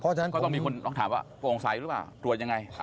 ก็ต้องมีคนชั้นถามว่าตรวจอย่างไร